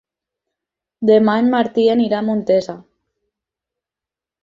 Demà en Martí anirà a Montesa.